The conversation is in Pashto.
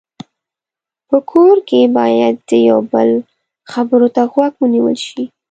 په کور کې باید د یو بل خبرو ته غوږ ونیول شي.